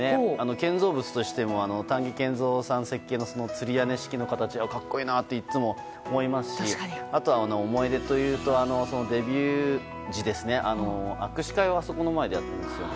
建造物としても丹下健三さん設計のつり屋根式の形が格好いいといつも思いますしあと、思い出というとデビュー時、握手会をあそこの前でやったんですよ。